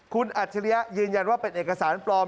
คุณอัจฉริยะยืนยันว่าเป็นเอกสารปลอม